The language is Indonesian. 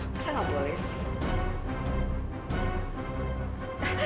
masa nggak boleh sih